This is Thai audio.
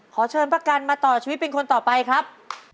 ขอเชิญป้ากันมาต่อชีวิตเป็นคนต่อไปครับ